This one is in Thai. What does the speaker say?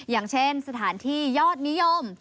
อย่างเช่นสถานที่ยอดนิยม